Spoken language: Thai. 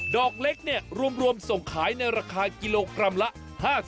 ดอกเล็กรวมส่งขายในราคากิโลกรัมละ๕๐บาท